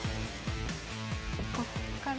ここから。